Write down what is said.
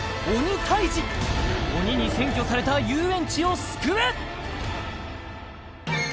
鬼に占拠された遊園地を救え！